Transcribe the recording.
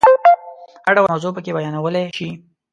هر ډول موضوع پکې بیانولای شي.